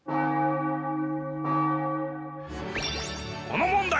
この問題